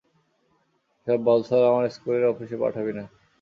এসব বালছাল আমার স্কুলের অফিসে পাঠাবি না।